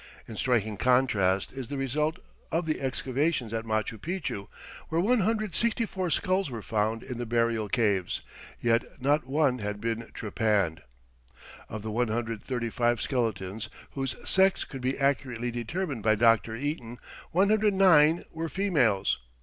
In striking contrast is the result of the excavations at Machu Picchu, where one hundred sixty four skulls were found in the burial caves, yet not one had been "trepanned." Of the one hundred thirty five skeletons whose sex could be accurately determined by Dr. Eaton, one hundred nine were females.